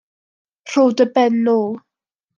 Rho dy ben nôl.